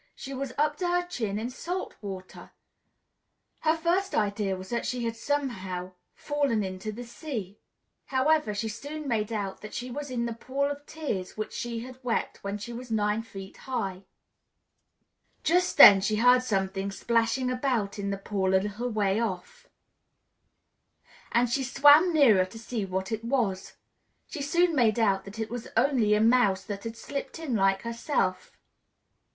she was up to her chin in salt water. Her first idea was that she had somehow fallen into the sea. However, she soon made out that she was in the pool of tears which she had wept when she was nine feet high. Just then she heard something splashing about in the pool a little way off, and she swam nearer to see what it was: she soon made out that it was only a mouse that had slipped in like herself.